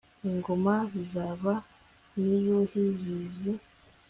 ingoma zizaza ni yuhi zizi